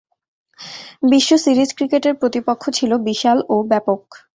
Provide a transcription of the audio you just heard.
বিশ্ব সিরিজ ক্রিকেটের প্রতিপক্ষ ছিল বিশাল ও ব্যাপক।